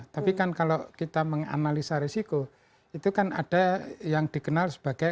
tapi kan kalau kita menganalisa risiko itu kan ada yang dikenal sebagai